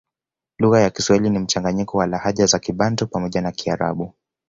Lugha ya Kiswahili ni mchanganyiko wa lahaja za kibantu pamoja na kiarabu